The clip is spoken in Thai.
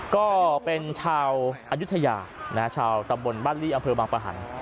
ก็เป็นชาวอายุทยาชาวตำบลบ้านลี่อำเภอบางประหัน